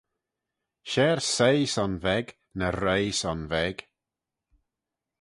Share soie son veg na roie son veg